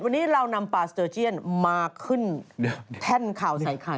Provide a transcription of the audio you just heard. วันนี้เรานำปลาสเตอร์เจียนมาขึ้นแท่นข่าวใส่ไข่